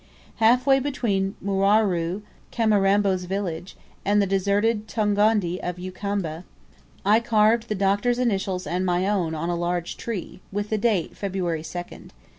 Half way between Mwaru Kamirambo's village and the deserted Tongoni of Ukamba, I carved the Doctor's initials and my own on a large tree, with the date February 2nd.